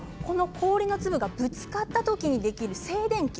氷の粒がぶつかった時にできる静電気